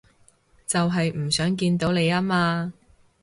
就係唔想見到你吖嘛